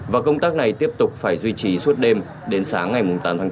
và công tác này tiếp tục phải duy trì suốt đêm đến sáng ngày tám tháng chín